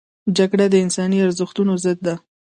جګړه د انساني ارزښتونو ضد ده